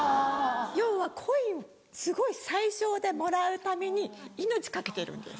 要はコインをすごい最少でもらうために命懸けてるんです。